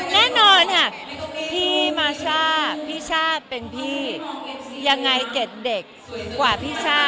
แน่นอนค่ะพี่มาช่าพี่ช่าเป็นพี่ยังไงเก็ดเด็กกว่าพี่ช่า